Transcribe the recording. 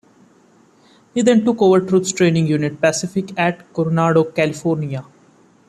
He then took over Troop Training Unit Pacific at Coronado, California.